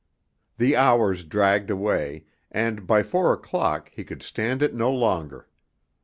The hours dragged away, and by four o'clock he could stand it no longer.